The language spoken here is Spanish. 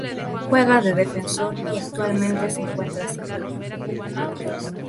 Juega de defensor y actualmente se encuentra sin club.